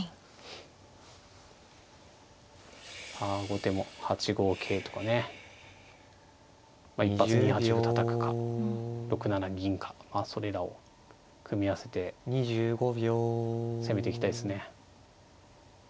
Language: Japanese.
後手も８五桂とかね一発２八歩たたくか６七銀かそれらを組み合わせて攻めていきたいですね。